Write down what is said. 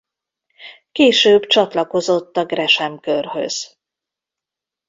Később csatlakozott a Gresham-körhöz.